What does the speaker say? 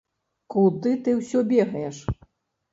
Куды ты ўсё бегаеш?